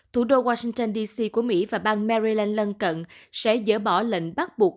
thủ đô washington dc của mỹ và bang merland lân cận sẽ dỡ bỏ lệnh bắt buộc